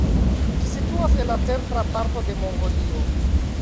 Ĝi situas en la centra parto de Mongolio.